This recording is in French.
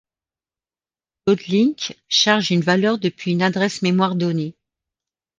Load-link charge une valeur depuis une adresse mémoire donnée.